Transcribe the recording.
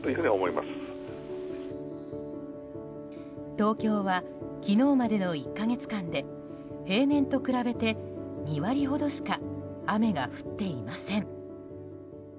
東京は昨日までの１か月間で平年と比べて２割ほどしか雨が降っていません。